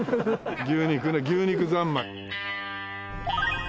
牛肉ね牛肉三昧。